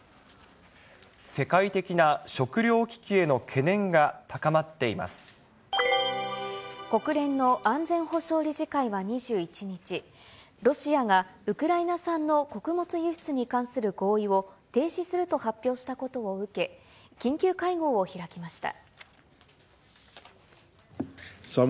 世界的な食糧危機への懸念が国連の安全保障理事会は２１日、ロシアがウクライナ産の穀物輸出に関する合意を、停止すると発表したことを受け、緊急会合を開きました。